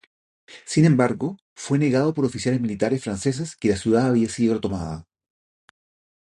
Sin embargo, fue negado por oficiales militares franceses que la ciudad había sido retomada.